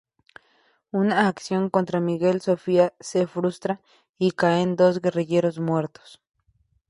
Una acción contra Miguel Sofía se frustra y caen dos guerrilleros muertos.